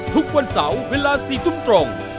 ทุกวันเสาร์เวลา๔ทุ่มตรง